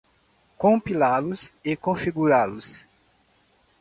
compilá-los e configurá-los